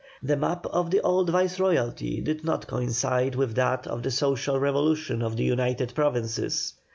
The map of the old Viceroyalty did not coincide with that of the social revolution of the United Provinces.